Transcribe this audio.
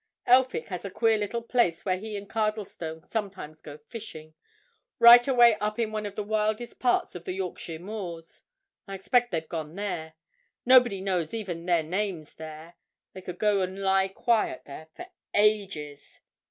"Elphick has a queer little place where he and Cardlestone sometimes go fishing—right away up in one of the wildest parts of the Yorkshire moors. I expect they've gone there. Nobody knows even their names there—they could go and lie quiet there for—ages."